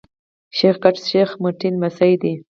شېخ کټه شېخ متي لمسی دﺉ.